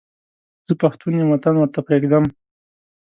زه پښتون یم وطن ورته پرېږدم.